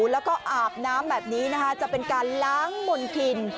แล้วก็อาบน้ำแบบนี้นะคะจะเป็นการล้างมนคิน